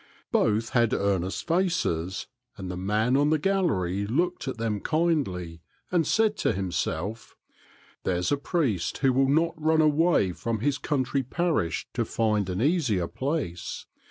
Both had earnest faces, and the man on the gallery looked at them kindly, and said to himself, '* There 's a priest who will not run away from his country parish to find an easier place.